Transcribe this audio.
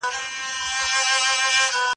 د الله تعالی له سخت عذاب څخه ويريږئ.